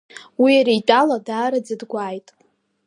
Уи иара итәала даараӡа дгәааит.